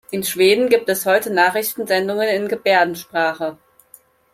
In Schweden gibt es heute Nachrichtensendungen in Gebärdensprache.